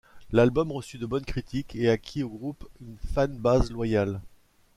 L'album reçut de bonnes critiques et acquit au groupe une fan base loyale.